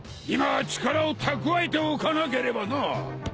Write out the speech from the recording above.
今は力を蓄えておかなければな。